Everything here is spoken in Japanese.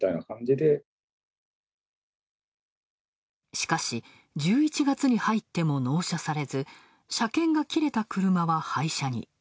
しかし、１１月に入っても納車されず、車検が切れた車は廃車に。